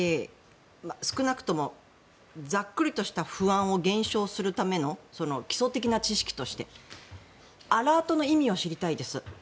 少なくともざっくりとした不安を減少するための基礎的な知識としてアラートの意味を知りたいです。